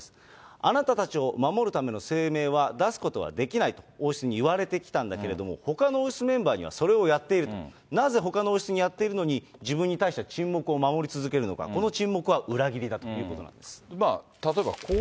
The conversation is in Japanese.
あなたたちを守るための声明は出すことはできないと王室に言われてきたんだけれども、ほかの王室メンバーにはそれをやっていると、なぜほかの王室にやっているのに、自分に対しては沈黙を守り続けるのか、この沈黙は裏切りだということなんです。